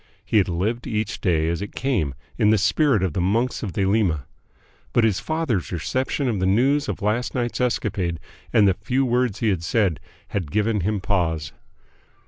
He had lived each day as it came in the spirit of the Monks of Thelema. But his father's reception of the news of last night's escapade and the few words he had said had given him pause.